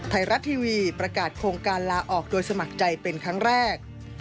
ไทยรัฐทีวีประกาศโครงการลาออกโดยสมัครใจเป็นครั้งแรก